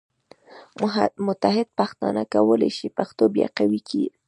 متحد پښتانه کولی شي پښتو بیا قوي کړي.